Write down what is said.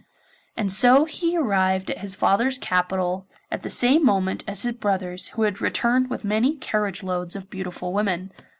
And so he arrived at his father's capital, at the same moment as his brothers who had returned with many carriage loads of beautiful women.